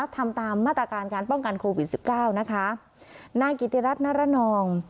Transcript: ทำตามมาตรการการป้องกันโควิดสิบเก้านะคะนายกิติรัฐนรนอง